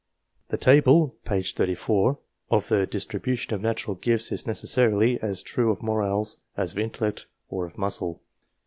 The table (p. 30) of the distribution of natural gifts is necessarily as true of morals as of intellect or of muscle.